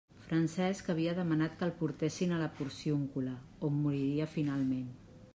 Francesc havia demanat que el portessin a la Porciúncula, on moriria finalment.